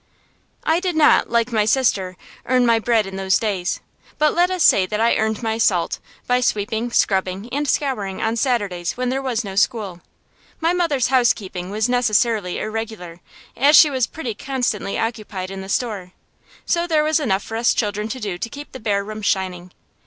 I did not, like my sister, earn my bread in those days; but let us say that I earned my salt, by sweeping, scrubbing, and scouring, on Saturdays, when there was no school. My mother's housekeeping was necessarily irregular, as she was pretty constantly occupied in the store; so there was enough for us children to do to keep the bare rooms shining.